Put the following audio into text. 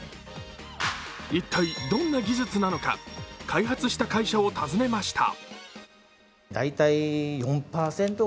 一体どて技術なのか、開発した会社を訪ねました。